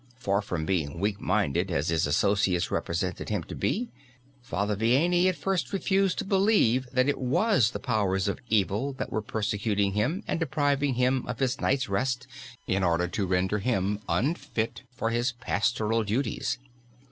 Far from being weakminded, as his associates represented him to be, Father Vianney at first refused to believe that it was the powers of evil that were persecuting him and depriving him of his night's rest in order to render him unfit for his pastoral duties.